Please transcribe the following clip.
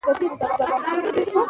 مار د ونې تر سیوري لاندي پروت دی.